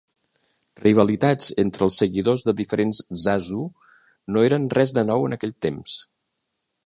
Rivalitats entre els seguidors de diferents "zasu" no eren res de nou en aquell temps.